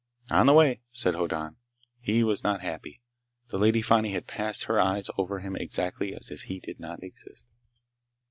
"On the way," said Hoddan. He was not happy. The Lady Fani had passed her eyes over him exactly as if he did not exist.